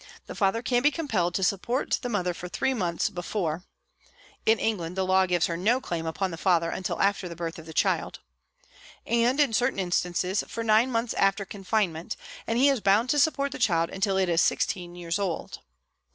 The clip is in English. The father can be compelled to support the mother for three months before (in England the law gives her no claim upon the father until after the birth of the child), and, in certain instances, for nine months after confinement, and he is bound to support the child until it is sixteen years old.